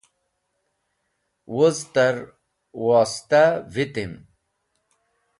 Wuz ta’r woyista vitim.